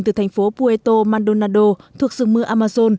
từ thành phố puerto maldonado thuộc rừng mưa amazon